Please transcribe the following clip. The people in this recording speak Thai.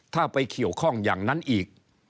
ถ้าไปเกี่ยวข้องอย่างนั้นอีก